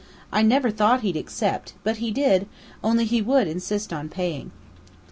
I never thought he'd accept, but he did, only he would insist on paying.